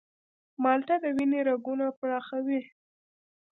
مالټه د وینې رګونه پراخوي.